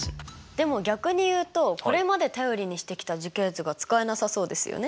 でも逆に言うとこれまで頼りにしてきた樹形図が使えなさそうですよね。